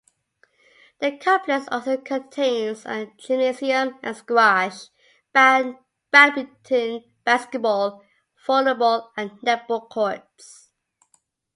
The complex also contains a gymnasium and squash, badminton, basketball, volleyball and netball courts.